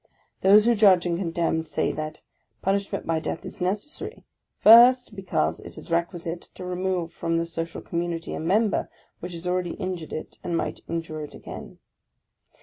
Those who judge and condemn say that " punishment by death is necessary, — first, because it is requisite to remove from the social community a member which has already injured it, and might injure it again."